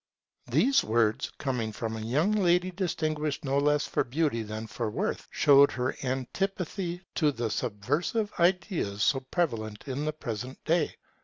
These words coming from a young lady distinguished no less for beauty than for worth, showed her antipathy to the subversive ideas so prevalent in the present day.